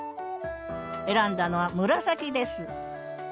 選んだのは紫です